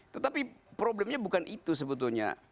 tetapi problemnya bukan itu sebetulnya